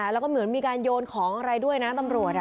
แล้วก็เหมือนมีการโยนของอะไรด้วยนะตำรวจ